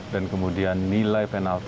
dan kemudian nilai penalti